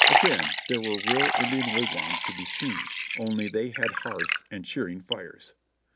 Again there were real Indian wigwams to be seen, only they had hearths and cheering fires.